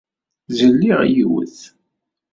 Zelliɣ yiwet.